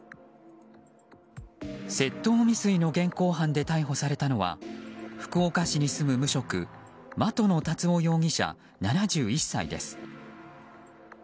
窃盗未遂の現行犯で逮捕されたのは福岡市に住む無職的野達生容疑者、７１歳です。